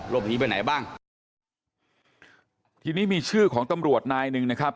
หนีไปไหนบ้างทีนี้มีชื่อของตำรวจนายหนึ่งนะครับ